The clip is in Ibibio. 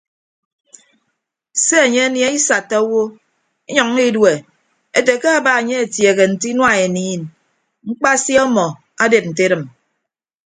Se enye anie isatta awo inyʌññọ idue ete ke aba enye atieehe nte inua eniin mkpasi ọmọ adep nte edịm.